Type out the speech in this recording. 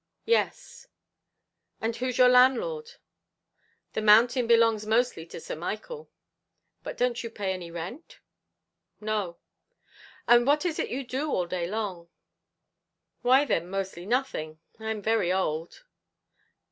"Yes." "And who's your landlord?" "The mountain belongs mostly to Sir Michael." "But don't you pay any rent?" "No." "And what is it you do all day long?" "Why then mostly nothing; I'm very old."